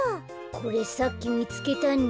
これさっきみつけたんだ。